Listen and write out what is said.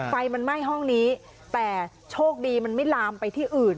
ไฟมันไหม้ห้องนี้แต่โชคดีมันไม่ลามไปที่อื่น